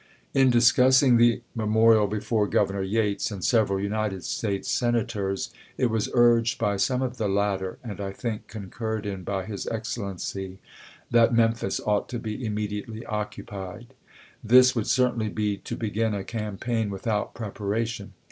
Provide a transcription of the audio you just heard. In discussing the memorial before Governor Yates and several United States Senators it was urged by some of the latter, and I think concurred ia by his Excellency, that Memphis ought to be immediately occupied. This would certainly be to begin a campaign without prepara tion.